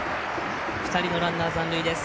２人のランナー、残塁です。